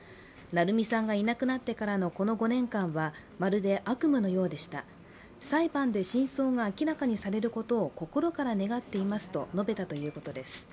愛海さんがいなくなってからのこの５年間はまるで悪夢のようでした、裁判で真相があきらかにされることを心から願っていますと述べたということです。